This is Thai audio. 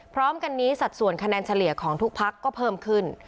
พร้อมกันนี้สัดส่วนคะแนนเฉลี่ยของทุกพักก็เพิ่มขึ้น